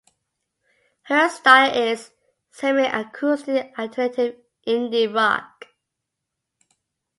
Her style is semi-acoustic alternative indie rock.